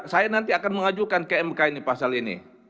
saya nanti akan mengajukan kmk ini pasal ini